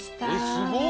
すごい！